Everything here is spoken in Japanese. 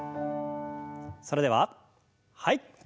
それでははい。